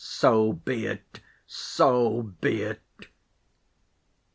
So be it! So be it!"